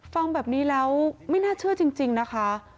ฟังแบบนี้แล้วไม่น่าเชื่อจริงนะคะ